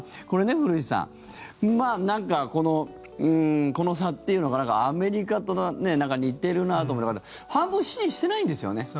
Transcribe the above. これね、古市さんなんかこの差っていうのがアメリカと似てるなと思って半分、支持してないんですよね。